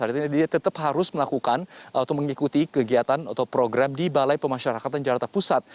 karena dia tetap harus melakukan atau mengikuti kegiatan atau program di balai pemasyarakatan jakarta pusat